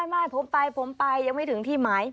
ไม่ผมไปยังไม่ถึงที่ไหม